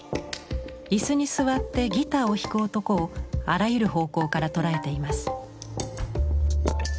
椅子に座ってギターを弾く男をあらゆる方向から捉えています。